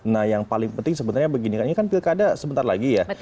nah yang paling penting sebenarnya begini kan ini kan pilkada sebentar lagi ya